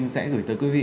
sẽ gửi tới quý vị